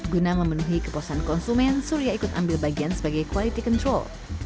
guna memenuhi kepuasan konsumen surya ikut ambil bagian sebagai quality control